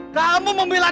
kamu membela dia